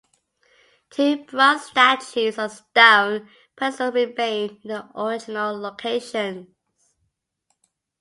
Two bronze statues on stone pedestals remain in their original locations.